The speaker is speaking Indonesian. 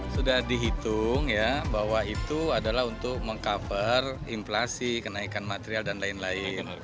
sudah dihitung ya bahwa itu adalah untuk meng cover inflasi kenaikan material dan lain lain